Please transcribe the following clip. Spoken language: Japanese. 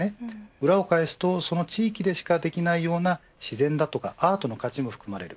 裏を返せばその地域でしかできないような自然だとアートの価値も含まれる。